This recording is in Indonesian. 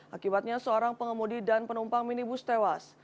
akibatnya seorang pengemudi dan penumpang minibus tewas